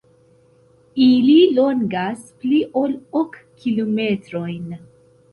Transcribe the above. Ili longas pli ol ok kilometrojn.